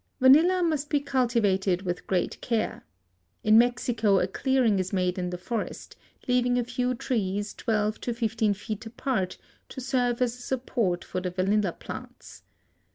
Vanilla must be cultivated with great care. In Mexico a clearing is made in the forest, leaving a few trees twelve to fifteen feet apart to serve as a support for the vanilla plants.